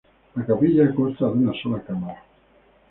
La capilla consta de una sola cámara.